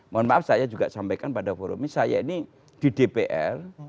mohon maaf saya juga sampaikan pada forum ini saya ini di dpr